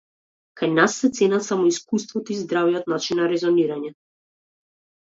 Кај нас се ценат само искуството и здравиот начин на резонирање.